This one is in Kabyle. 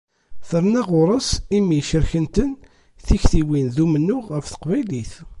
Terna ɣur-s imi cerken-ten tektiwin d umennuɣ ɣef Teqbaylit.